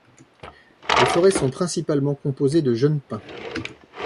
Les forêts sont principalement composées de jeunes pins.